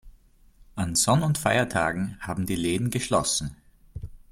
An Sonn- und Feiertagen haben die Läden geschlossen.